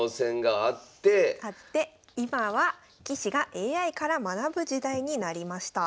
あって今は棋士がＡＩから学ぶ時代になりました。